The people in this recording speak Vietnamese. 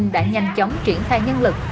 đã nhanh chóng triển khai nhân lực